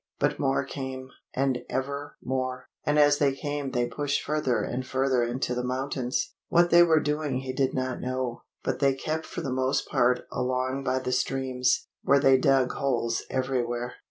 But more came, and ever more; and as they came they pushed further and further into the mountains. What they were doing he did not know, but they kept for the most part along by the streams, where they dug holes everywhere.